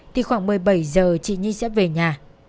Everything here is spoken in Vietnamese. thì khoảng một mươi bảy giờ chị nhi sẽ về nhà